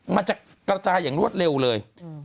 มันจะกระจายอย่างรวดเร็วเลย